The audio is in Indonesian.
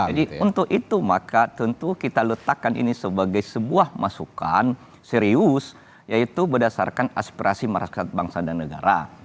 jadi untuk itu maka tentu kita letakkan ini sebagai sebuah masukan serius yaitu berdasarkan aspirasi masyarakat bangsa dan negara